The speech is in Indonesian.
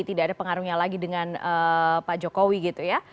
tidak ada pengaruhnya lagi dengan pak jokowi gitu ya